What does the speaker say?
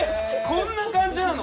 こんな感じなの。